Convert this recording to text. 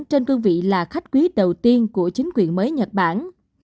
trên cương vị là khách quý đầu tiên của chính quyền mới nhật bản